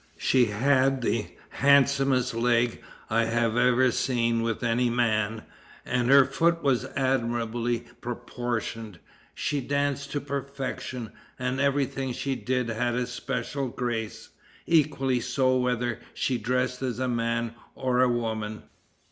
She had the handsomest leg I have ever seen with any man, and her foot was admirably proportioned. She danced to perfection, and every thing she did had a special grace, equally so whether she dressed as a man or a woman."